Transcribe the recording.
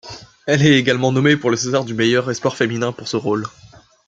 Elle est également nommée pour le César du meilleur espoir féminin pour ce rôle.